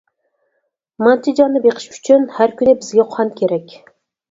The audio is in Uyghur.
مانچە جاننى بېقىش ئۈچۈن ھەر كۈنى بىزگە قان كېرەك.